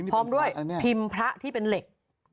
พร้อมด้วยพิมพ์พระที่เป็นเหล็ก